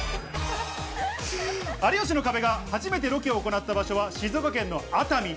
有吉の壁が初めてロケを行った場所は、静岡県の熱海。